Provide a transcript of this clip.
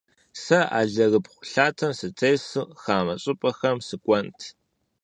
Сэ алэрыбгъу лъатэм сытесу хамэ щӏыпӏэхэм сыкӏуэнт.